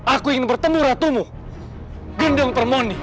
aku ingin bertemu ratumu gundeng permoni